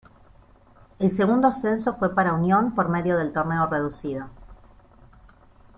El segundo ascenso fue para Unión por medio del Torneo reducido.